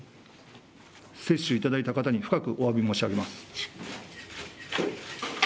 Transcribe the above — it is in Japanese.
接種いただいた方に深くおわび申し上げます。